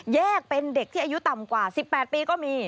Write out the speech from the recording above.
แยกเป็นเด็กที่อายุต่ำกว่า๑๘ปีก็มี